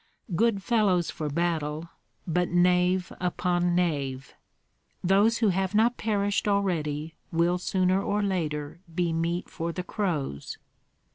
Good fellows for battle, but knave upon knave! Those who have not perished already will sooner or later be meat for the crows."